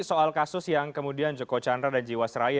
soal kasus yang kemudian joko chandra dan jiwasraya